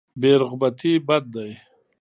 بې رغبتي بد دی.